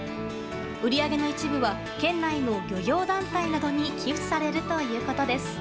売り上げの一部は県内の漁業団体などに寄付されるということです。